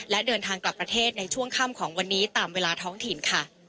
และเดินทางกลับประเทศในช่วงค่ำของวันนี้ตามเวลาท้องถิ่นค่ะ